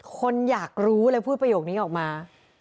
คนอยากรู้เลยพูดประโยคนี้ออกมา